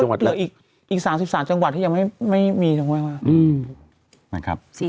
แต่ก็เหลืออีก๓๓จังหวัดที่ยังไม่มีจังหวัด